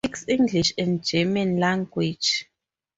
He speaks English and German language.